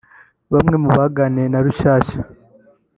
Bamwe mu baganiriye na Rushyashya